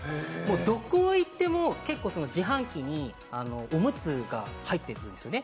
どこへ行っても自販機におむつが入ってるんです。